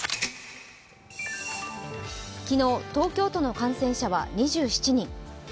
昨日、東京都の感染者は２７人。